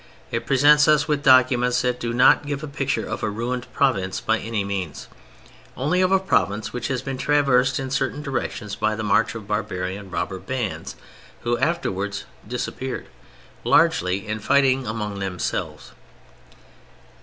It presents us with documents that do not give a picture of a ruined province by any means; only of a province which has been traversed in certain directions by the march of barbarian robber bands, who afterwards disappeared, largely in fighting among themselves.